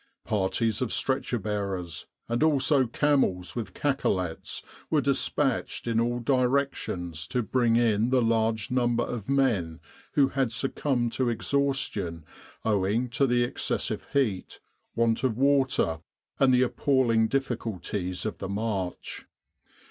Parties of stretcher bearers, and also camels with cacolets, were dispatched in all directions to bring in the large number of men who had succumbed to exhaustion owing to the excessive heat, want of water, and the appalling difficulties of the march.